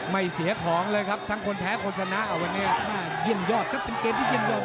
ไม่เสียของเลยครับทั้งคนแพ้คนชนะวันนี้เยี่ยมยอดครับเป็นเกมที่เยี่ยมเดิม